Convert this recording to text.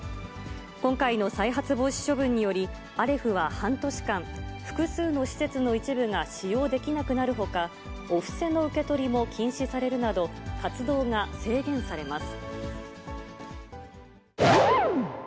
今回の再発防止処分により、アレフは半年間、複数の施設の一部が使用できなくなるほか、お布施の受け取りも禁止されるなど、活動が制限されます。